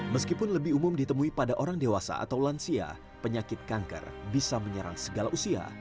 meskipun lebih umum ditemui pada orang dewasa atau lansia penyakit kanker bisa menyerang segala usia